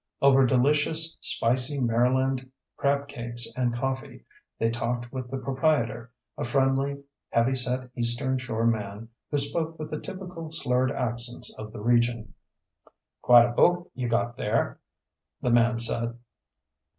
Over delicious, spicy Maryland crab cakes and coffee, they talked with the proprietor, a friendly, heavy set Eastern Shore man who spoke with the typical slurred accents of the region. "Quite a boat you got there," the man said.